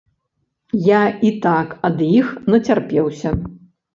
Я і так ад іх нацярпеўся.